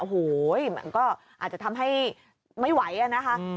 โอ้โหมันก็อาจจะทำให้ไม่ไหวอะนะคะ